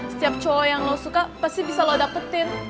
setiap cowok yang lo suka pasti bisa lo dapetin